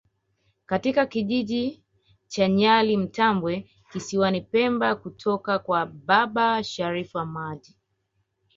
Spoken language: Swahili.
katika kijiji cha Nyali Mtambwe kisiwani pemba kutoka kwa baba Sharif Hamad